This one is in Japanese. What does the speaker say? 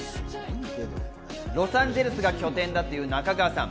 ロサンゼルスが拠点だという中川さん。